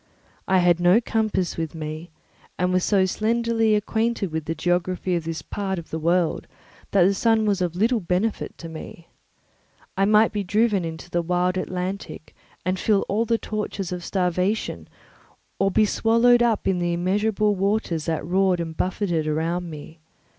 I had no compass with me and was so slenderly acquainted with the geography of this part of the world that the sun was of little benefit to me. I might be driven into the wide Atlantic and feel all the tortures of starvation or be swallowed up in the immeasurable waters that roared and buffeted around me.